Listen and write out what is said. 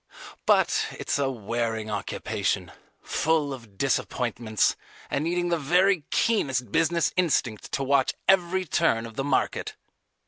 But it's a wearing occupation, full of disappointments, and needing the very keenest business instinct to watch every turn of the market.